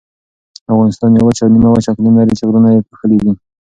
افغانستان یو وچ او نیمه وچ اقلیم لري چې غرونه یې پوښلي دي.